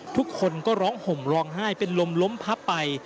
ทุกคนก็ร้องห่มร้องไห้เป็นลมล้มพับไป